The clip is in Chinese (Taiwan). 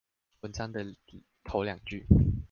文章的頭兩句